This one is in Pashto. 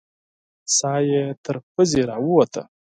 ساه یې تر پزې راووته.